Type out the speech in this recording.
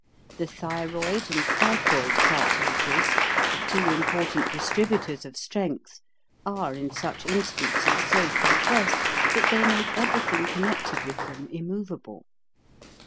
The thyroid and cricoid cartilages, the two important distributors of 290 HOW TO SING strength, are in such instances so compressed that they make everything connected with them immovable.